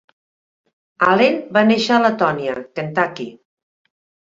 Allen va néixer a Latonia, Kentucky.